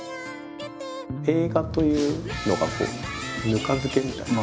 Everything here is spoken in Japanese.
映画というのがぬか漬けみたいな。